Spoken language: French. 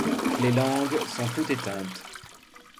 Les langues sont toutes éteintes.